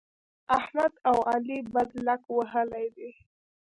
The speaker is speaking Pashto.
احمد او علي بدلک وهلی دی.